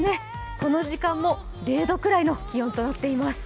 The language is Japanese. この時間も０度くらいの気温となっています。